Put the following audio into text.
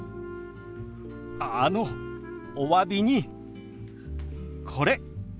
あのおわびにこれ。